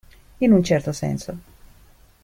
In un certo senso.